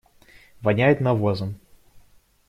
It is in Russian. Воняет навозом.